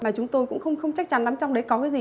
và chúng tôi cũng không chắc chắn lắm trong đấy có cái gì